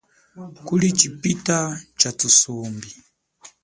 Kuli chipita cha thusumbi.